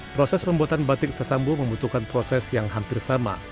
proses pembuatan batik sasambu membutuhkan proses yang hampir sama